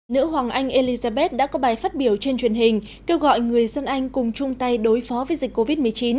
nữ hoàng anh elizabeth đã có bài phát biểu trên truyền hình kêu gọi người dân anh cùng chung tay đối phó với dịch covid một mươi chín